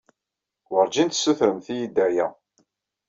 Werjin tessutremt-iyi-d aya.